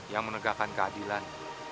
yang menegakkan keadilan